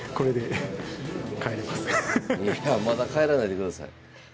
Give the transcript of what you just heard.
いやまだ帰らないでください。